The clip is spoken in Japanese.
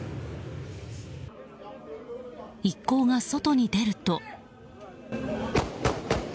一行が外に出ると。